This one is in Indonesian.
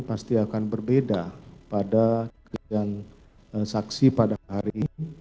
pasti akan berbeda pada kesaksian pada hari ini